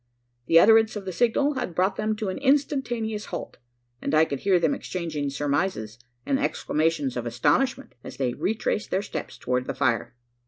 The utterance of the signal had brought them to an instantaneous halt; and I could hear them exchanging surmises and exclamations of astonishment, as they retraced their steps towards the fire.